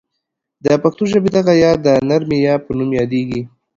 د پښتو ژبې دغه یا ی د نرمې یا په نوم یادیږي.